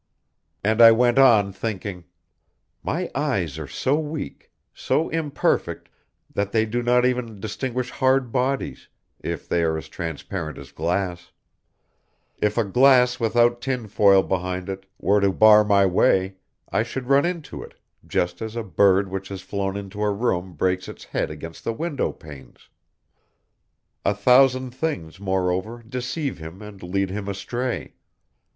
And I went on thinking: my eyes are so weak, so imperfect, that they do not even distinguish hard bodies, if they are as transparent as glass!... If a glass without tinfoil behind it were to bar my way, I should run into it, just as a bird which has flown into a room breaks its head against the window panes. A thousand things, moreover, deceive him and lead him astray.